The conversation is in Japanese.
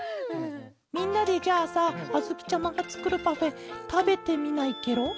みんなでじゃあさあづきちゃまがつくるパフェたべてみないケロ？